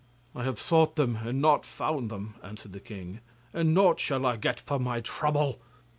'I have sought them and not found them,' answered the king, 'and nought shall I get for my trouble.